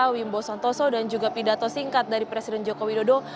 wimbo santoso dan juga pidato singkat dari presiden joko widodo